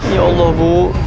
ya allah bu